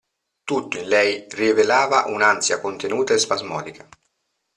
Tutto in lei rivelava un'ansia contenuta e spasmodica.